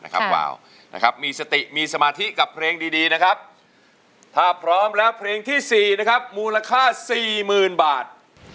นะครับว้าวนะครับมีสติมีสมาธิกับเพลงดีดีนะครับถ้าพร้อมแล้วเพลงที่สี่นะครับมูลค่าสี่หมื่นบาท